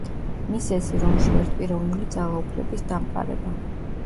მიზეზი რომში ერთპიროვნული ძალაუფლების დამყარება.